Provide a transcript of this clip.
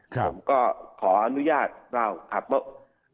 ผมก็ขออนุญาตเล่าครับว่า